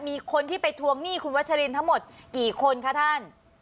มีคนที่ไปทวงหนี้คุณวัชรินทั้งหมดกี่คนคะท่าน